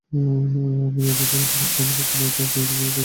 আমি হৃদয় থেকে বলছি, আমি কখনো এটার বিনিময়ে অন্য কিছু নেব না।